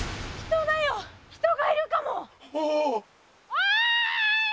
おい！